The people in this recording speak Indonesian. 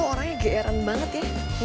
lo orangnya geeran banget ya